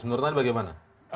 menurut anda bagaimana